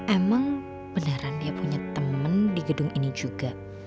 emang beneran dia punya teman di gedung ini juga